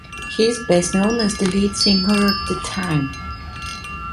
He is best known as the lead singer of The Time.